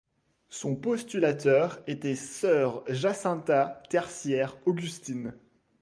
Son postulateur était Sœur Jacinta tertiaire augustine.